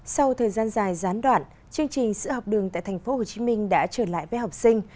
sau thời gian dài gián đoạn chương trình sữa học đường tại tp hcm đã trở lại với học sinh